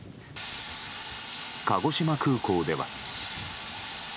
鹿児島空港では。